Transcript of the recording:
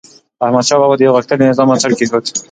احمدشاه بابا د یو غښتلي نظام بنسټ کېښود.